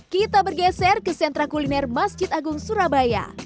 kita bergeser ke sentra kuliner masjid agung surabaya